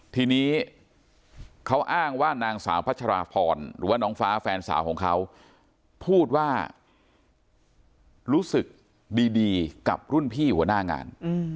ทีนี้เขาอ้างว่านางสาวพัชราพรหรือว่าน้องฟ้าแฟนสาวของเขาพูดว่ารู้สึกดีกับรุ่นพี่หัวหน้างาน